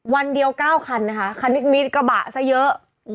วันเดียว๙คันนะคะคันนี้มีกระบะซะเยอะ